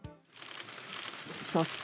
そして。